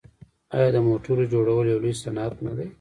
آیا د موټرو جوړول یو لوی صنعت نه دی؟